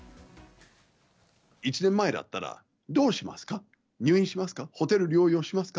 １年前だったら、どうしますか？